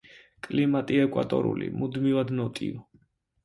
კლიმატი ეკვატორული, მუდმივად ნოტიო.